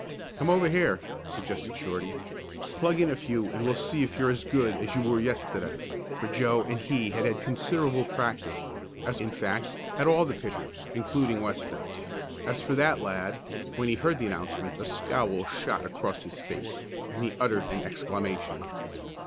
"Come over here," suggested Shorty. "Plug in a few and we'll see if you're as good as you were yesterday," for Joe and he had had considerable practice, as, in fact, had all the pitchers, including Weston. As for that lad, when he heard the announcement a scowl shot across his face, and he uttered an exclamation.